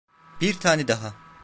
Bir tane daha.